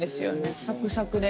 サクサクで。